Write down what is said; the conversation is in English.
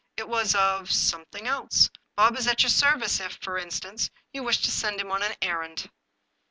It was of — some thing else. Bob is at your service, if, for instance, you wish to send him on an errand."